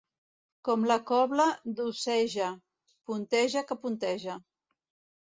Com la cobla d'Oceja, punteja que punteja.